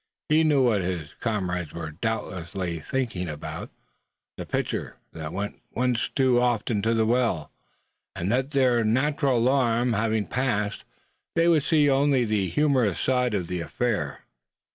He knew what his comrades were doubtless thinking about "the pitcher that went once too often to the well;" and that their natural alarm having passed, they would see only the humorous side of the affair.